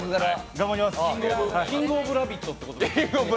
「キングオブラヴィット」ということで。